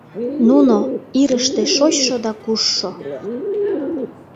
Нуно, ирыште шочшо да кушшо